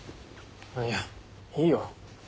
いやいいよ。